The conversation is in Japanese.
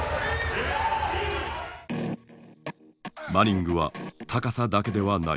マニングは高さだけではない。